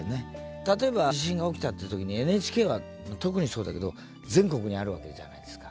例えば地震が起きたって時にＮＨＫは特にそうだけど全国にあるわけじゃないですか。